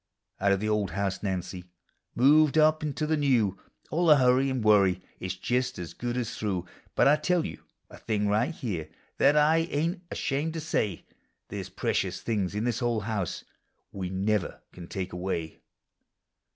Out of the old house, Nancy,— moved up into the new ; All the hurry and worry is just as good as through ; But I tell you a thing right here, that 1 ain't ashamed to sav. There 's precious things in this old house we never can take away.